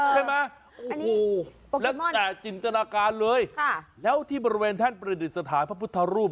ใช่ไหมโอ้โหแล้วแต่จินตนาการเลยแล้วที่บริเวณแท่นประดิษฐานพระพุทธรูป